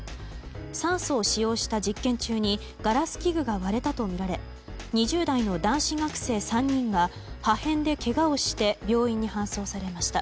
酸素を使用した実験中にガラス器具が割れたとみられ２０代の男子学生３人が破片でけがをして病院に搬送されました。